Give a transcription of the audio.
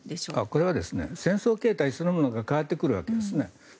これは戦争形態そのものが変わってくるわけですね。